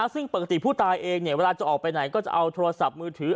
ซึ่งปกติผู้ตายเองเวลาจะออกไปไหนก็จะเอาโทรศัพท์มือถือ